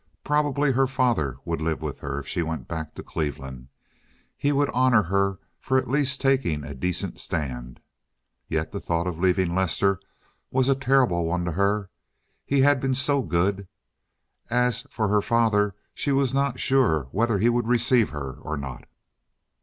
Probably her father would live with her if she went back to Cleveland. He would honor her for at last taking a decent stand. Yet the thought of leaving Lester was a terrible one to her—he had been so good. As for her father, she was not sure whether he would receive her or not.